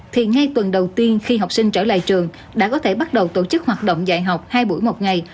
thì ngay tuần đầu tiên khi học sinh trở lại trường đã có thể bắt đầu tổ chức hoạt động dạy học hai buổi một ngày